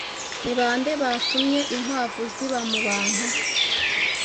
Ni bande batumye inkwavu ziba mu bantu?